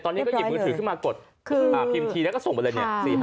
ตอนนี้ก็หยิบมือถือขึ้นมากดพิมพ์ทีแล้วก็ส่งไปเลยเนี่ย